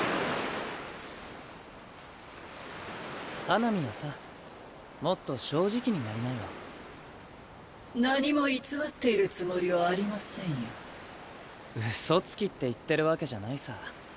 花御はさもっと正直になりな何も偽っているつもりはうそつきって言ってるわけじゃないさ。